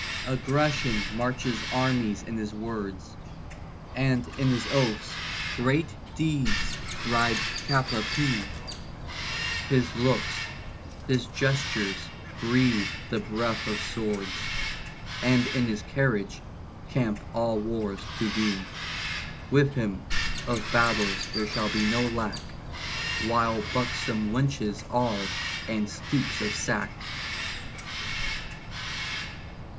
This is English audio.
Aggression marches armies in his words; And in his oaths great deeds ride cap a pie; His looks, his gestures breathe the breath of swords; And in his carriage camp all wars to be: With him of battles there shall be no lack While buxom wenches are and stoops of sack.